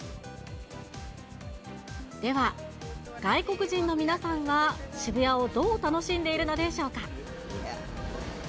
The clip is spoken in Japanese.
では外国人の皆さんは、渋谷をどう楽しんでいるのでしょうか。